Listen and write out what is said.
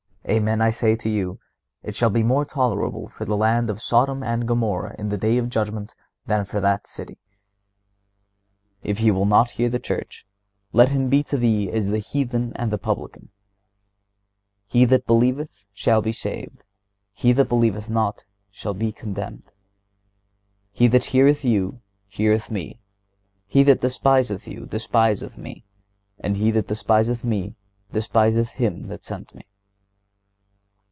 Amen, I say to you, it shall be more tolerable for the land of Sodom and Gomorrha in the day of judgment than for that city."(121) "If he will not hear the Church, let him be to thee as the heathen and the publican."(122) "He that believeth shall be saved; he that believeth not shall be condemned."(123) "He that heareth you heareth Me; he that despiseth you despiseth Me; and he that despiseth Me despiseth Him that sent Me."